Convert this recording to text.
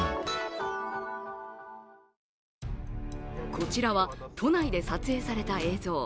こちらは都内で撮影された映像。